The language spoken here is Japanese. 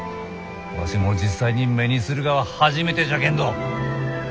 わしも実際に目にするがは初めてじゃけんど。